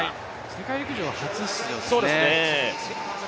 世界陸上は初出場ですね。